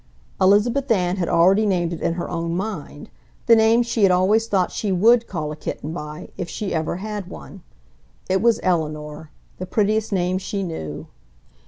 Elizabeth Ann had already named it in her own mind, the name she had always thought she WOULD call a kitten by, if she ever had one. It was Eleanor, the prettiest name she knew.